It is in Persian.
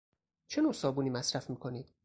چه نوع صابونی مصرف میکنید؟